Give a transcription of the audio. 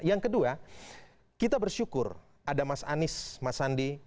yang kedua kita bersyukur ada mas anies mas sandi